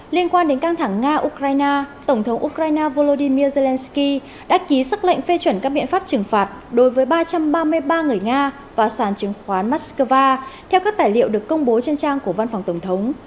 liên quan đến căng thẳng nga ukraine tổng thống ukraine volodymyr zelensky đã ký xác lệnh phê chuẩn các biện pháp trừng phạt đối với ba trăm ba mươi ba người nga và sàn chứng khoán moscow theo các tài liệu được công bố trên trang của văn phòng tổng thống